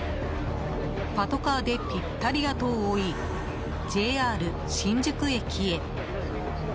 パトカーでぴったりあとを追いＪＲ新宿駅へ。